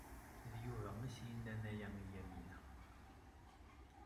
D Yuba ay as-yennan aya i Yamina.